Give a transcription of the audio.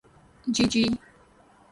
جی جی۔